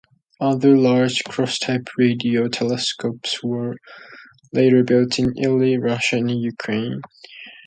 Other large cross-type radio telescopes were later built in Italy, Russia, and Ukraine.